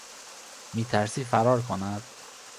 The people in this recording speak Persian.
میترسی فرار کند؟